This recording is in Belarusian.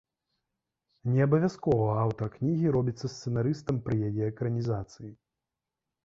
Неабавязкова аўтар кнігі робіцца сцэнарыстам пры яе экранізацыі.